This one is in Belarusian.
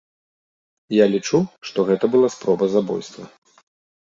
Я лічу, што гэта была спроба забойства.